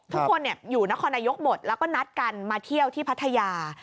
ทุกคนอยู่นครนายกหมดแล้วก็นัดกันมาเที่ยวที่พัทยา